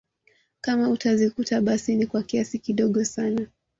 Kama utazikuta basi ni kwa kiasi kidogo sana